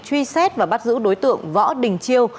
truy xét và bắt giữ đối tượng võ đình chiêu